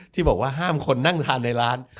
ที่บอกว่าห้ามคนนั่งทานในร้าน